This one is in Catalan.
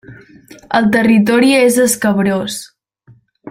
El territori és escabrós.